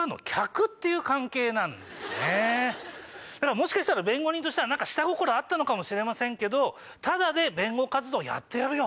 もしかしたら弁護人としたら下心あったかもしれませんけどタダで弁護活動やってやるよ！